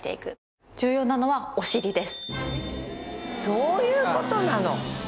そういう事なの？